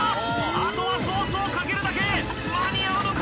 あとはソースをかけるだけ間に合うのか？